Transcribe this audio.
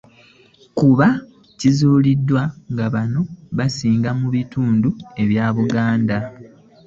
Kuba kizuuliddwa nga bano basinga mu bitundu bya Buganda.